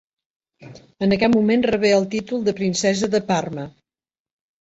En aquest moment rebé el títol de princesa de Parma.